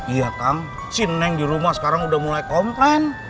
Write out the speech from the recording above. iya kang si neng di rumah sekarang udah mulai komplain